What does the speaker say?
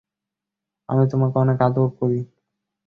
আমি তোমাকে অনেক আদর করি।